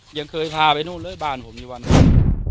ยังเคยพาไปนู่นเลยบ้านผมยังวันนี้